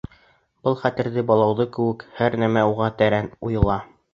Бала хәтере балауыҙ кеүек, һәр нәмә уға тәрән уйыла.